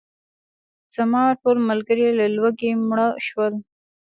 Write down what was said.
زما ټول ملګري له لوږې مړه شول.